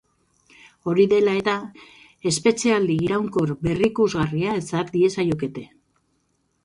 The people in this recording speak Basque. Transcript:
Hori dela eta, espetxealdi iraunkor berrikusgarria ezar diezaiokete.